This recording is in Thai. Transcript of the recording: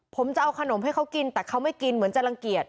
ผมจะเอาขนมให้เขากินแต่เขาไม่กินเหมือนจะรังเกียจ